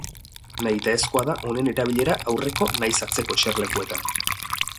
Nahitaezkoa da honen erabilera aurreko nahiz atzeko eserlekuetan.